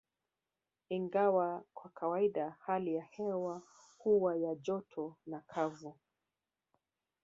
Ingawa kwa kawaida hali ya hewa huwa ya joto na kavu